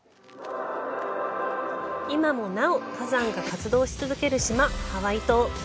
今もなお、火山が活動し続ける島ハワイ島。